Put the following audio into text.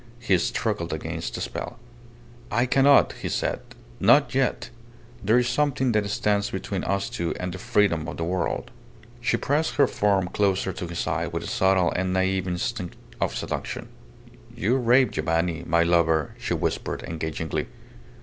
He struggled against the spell. "I cannot," he said. "Not yet. There is something that stands between us two and the freedom of the world." She pressed her form closer to his side with a subtle and naive instinct of seduction. "You rave, Giovanni my lover!" she whispered, engagingly.